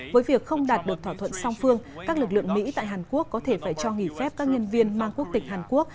với việc không đạt được thỏa thuận song phương các lực lượng mỹ tại hàn quốc có thể phải cho nghỉ phép các nhân viên mang quốc tịch hàn quốc